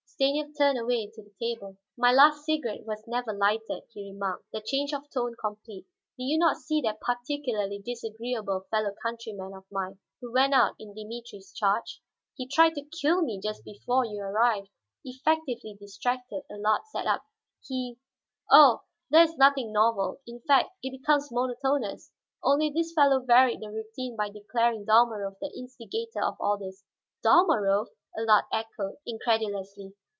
Stanief turned away to the table. "My last cigarette was never lighted," he remarked, the change of tone complete. "Did you not see that particularly disagreeable fellow countryman of mine who went out in Dimitri's charge? He tried to kill me just before you arrived." Effectively distracted, Allard sat up. "He " "Oh, that is nothing novel. In fact, it becomes monotonous. Only this fellow varied the routine by declaring Dalmorov the instigator of all this." "Dalmorov!" Allard echoed incredulously.